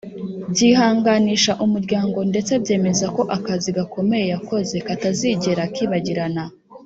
byihanganisha umuryango ndetse byemeza ko akazi gakomeye yakoze katazigera kibagirana